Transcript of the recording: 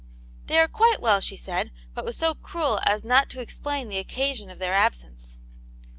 " They are quite well," she said, but was so crud as not to explain the occasion of their absence.